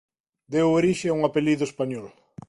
Deu orixe a un apelido español.